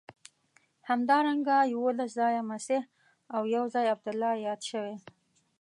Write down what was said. همدارنګه یوولس ځایه مسیح او یو ځای عبدالله یاد شوی.